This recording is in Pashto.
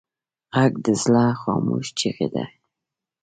غږ د زړه خاموش چیغې دي